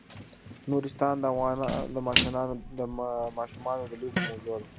نورستان د افغان ماشومانو د لوبو موضوع ده.